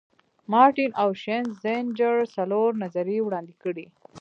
مارټین او شینزینجر څلور نظریې وړاندې کړي.